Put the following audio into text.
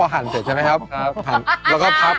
หมนแล้วเสียบไง